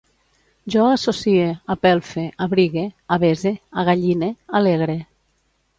Jo associe, apelfe, abrigue, avese, agalline, alegre